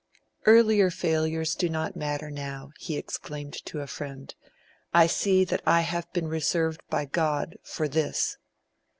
'Earlier failures do not matter now,' he exclaimed to a friend. 'I see that I have been reserved by God for this.'